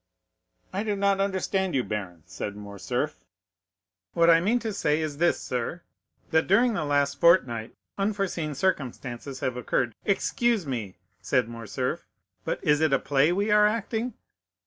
"I do not understand you, baron," said Morcerf. "What I mean to say is this, sir,—that during the last fortnight unforeseen circumstances have occurred——" "Excuse me," said Morcerf, "but is it a play we are acting?"